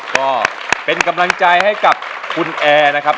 ก็เป็นกำลังใจให้กับคุณแอร์นะครับ